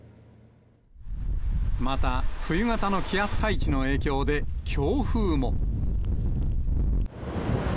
また、冬型の気圧配置の影響で強風も。